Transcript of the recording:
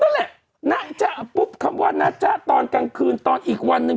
นั่นแหละนะจ๊ะปุ๊บคำว่านะจ๊ะตอนกลางคืนตอนอีกวันหนึ่ง